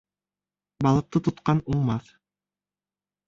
Балыҡты тотҡан уңмаҫ